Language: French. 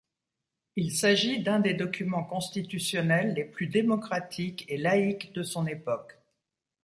Il s'agit d'un des documents constitutionnels les plus démocratiques et laïques de son époque.